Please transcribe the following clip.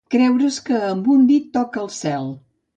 Creure's que amb un dit toca el cel.